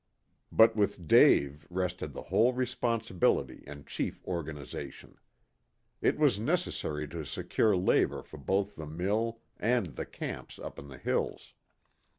But with Dave rested the whole responsibility and chief organization. It was necessary to secure labor for both the mill and the camps up in the hills.